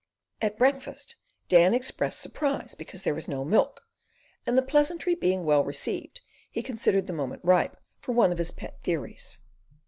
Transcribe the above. At breakfast Dan expressed surprise because there was no milk, and the pleasantry being well received, he considered the moment ripe for one of his pet theories.